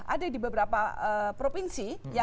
ada di beberapa provinsi